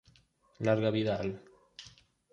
Larga vida al...